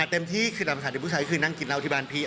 อาจเต็มที่คือตามภาษาเด็กผู้ชายคือนั่งกินแล้วที่บ้านพี่